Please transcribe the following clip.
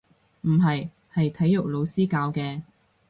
唔係，係體育老師教嘅